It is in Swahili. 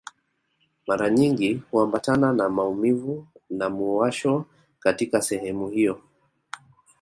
Mara nyingi huambatana na maumivu na muwasho katika sehemu hiyo